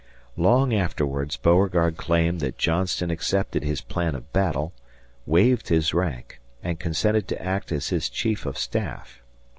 Long afterwards Beauregard claimed that Johnston accepted his plan of battle, waived his rank, and consented to act as his chief of staff.